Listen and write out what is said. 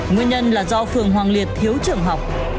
nguyên nhân là do phường hoàng liệt thiếu trường học